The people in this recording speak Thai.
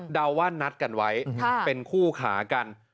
เดาว่านัดกันไว้เป็นคู่ขากัน